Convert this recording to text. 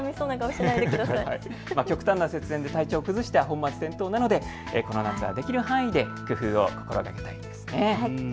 極端な節電で体調を崩しては本末転倒なのでこの夏はできる範囲で工夫を心がけたいですね。